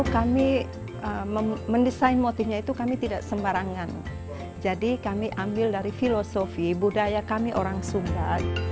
kampung praijing menjadi simbol kemandirian warga sumba